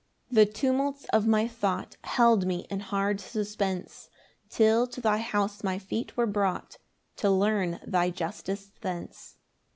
"] 7 The tumults of my thought Held me in hard suspense, Till to thy house my feet were brought To learn thy justice thence.